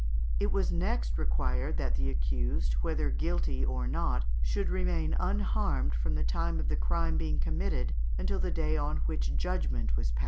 It was next required that the accused, whether guilty or not, should remain unharmed from the time of the crime being committed until the day on which judgment was passed.